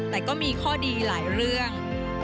แต่ก็มีข้อดีหลายเรื่อง